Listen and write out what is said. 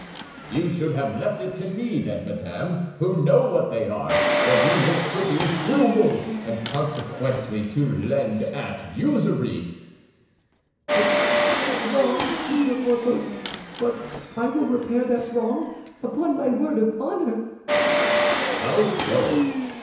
"You should have left it to me, then, madame, who know what they are; but you wished to be frugal, and consequently to lend at usury." "It was wrong, Monsieur Porthos; but I will repair that wrong, upon my word of honor." "How so?"